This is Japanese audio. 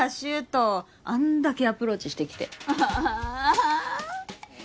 柊人あんだけアプローチしてきてええ